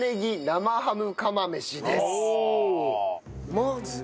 生ハム。